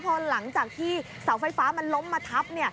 พอหลังจากที่เสาไฟฟ้ามันล้มมาทับ